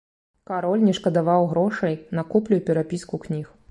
Кароль не шкадаваў грошай на куплю і перапіску кніг.